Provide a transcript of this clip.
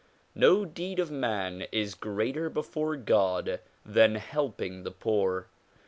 No deed of man is greater before God than helping the poor.